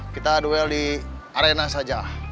kita duel di arena saja